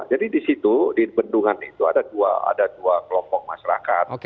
jadi di situ di tendungan itu ada dua kelompok masyarakat